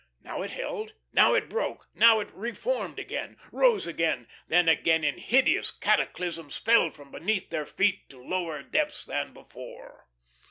Now it held, now it broke, now it reformed again, rose again, then again in hideous cataclysms fell from beneath their feet to lower depths than before.